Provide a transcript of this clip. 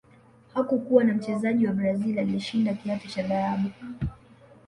hakukuwa na mchezaji wa brazil aliyeshinda kiatu cha dhahabu